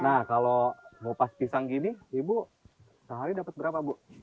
nah kalau ngupas pisang gini ibu sehari dapat berapa bu